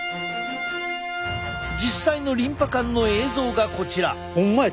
実際のリンパ管の映像がこちら。